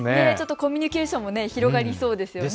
コミュニケーションも広がりそうですね。